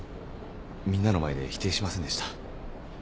みんなの前で否定しませんでした。